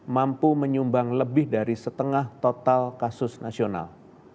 mampu menyumbang lebih dari setengah total kasus nasional